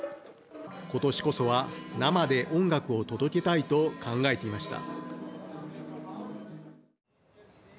今年こそは、生で音楽を届けたいと考えていました。